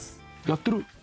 やってる？